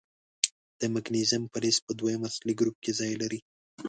د مګنیزیم فلز په دویم اصلي ګروپ کې ځای لري.